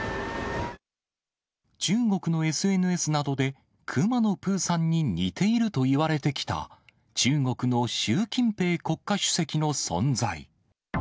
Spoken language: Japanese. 中国のＳＮＳなどで、くまのプーさんに似ているといわれてきた、中国の習近平国家主席の存在。